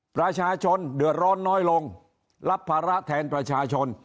ประชาชนเดือดร้อนน้อยลงรับภาระแทนประชาชน